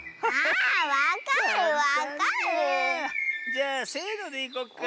じゃあせのでいこっか。